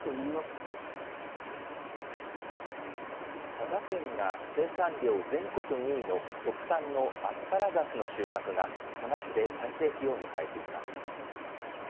佐賀県が生産量全国２位の特産のアスパラガスの収穫が佐賀市で最盛期を迎えています。